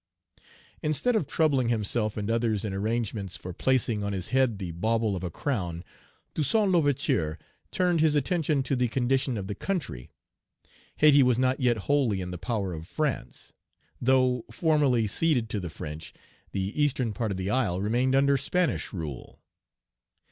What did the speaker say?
Instead of troubling himself and others in arrangements for placing on his head the bauble of a crown, Toussaint L'Ouverture turned his attention to the condition of the country. Hayti was not yet wholly in the power of France. Though formally ceded to the French, the eastern part of the isle remained under Spanish rule.